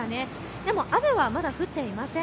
でも雨はまだ降っていません。